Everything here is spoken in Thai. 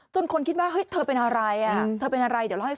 คนคิดว่าเฮ้ยเธอเป็นอะไรเธอเป็นอะไรเดี๋ยวเล่าให้ฟัง